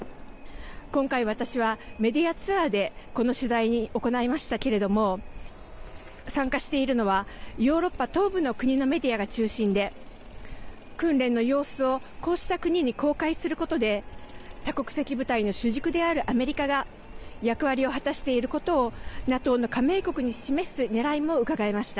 今回、私はメディアツアーでこの取材に行いましたけれども参加しているのはヨーロッパ東部の国のメディアが中心で訓練の様子をこうした国に公開することで多国籍部隊の主軸であるアメリカが役割を果たしていることをＮＡＴＯの加盟国に示すねらいもうかがえました。